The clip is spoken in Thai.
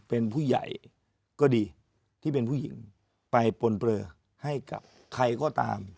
เป็นผู้ใหญ่ก็ดีที่เป็นผู้หญิงไปปนเปลือให้กับใครก็ตาม